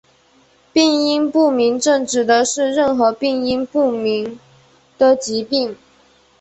病因不明症指的是任何病因不明的疾病。